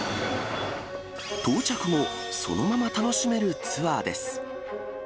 到着後、そのまま楽しめるツアーです。